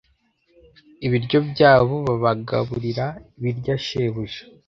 ibiryo byabo(babagaburira ) birya shebuja